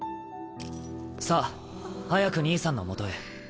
さあ早く兄さんのもとへ。